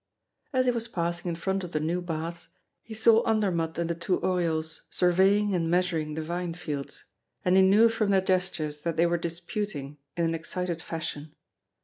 As he was passing in front of the new baths, he saw Andermatt and the two Oriols surveying and measuring the vinefields; and he knew from their gestures that they were disputing in an excited fashion.